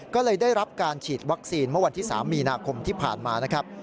ก็เลยได้รับการฉีดวัคซีนเมื่อวันที่๓มีนาคมที่ผ่านมานะครับ